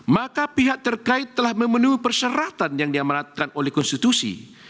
maka pihak terkait telah memenuhi persyaratan yang diamanatkan oleh konstitusi